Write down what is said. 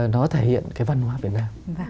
nó thể hiện cái văn hóa việt nam